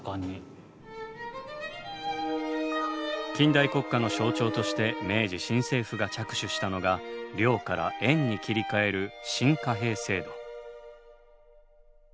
近代国家の象徴として明治新政府が着手したのが「両」から「円」に切り替える新貨幣制度。